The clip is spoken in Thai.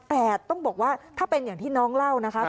แต่ต้องบอกว่าถ้าเป็นอย่างที่น้องเล่านะคะ